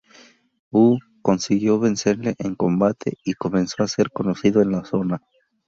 Huo consiguió vencerle en combate y comenzó a ser conocido en la zona.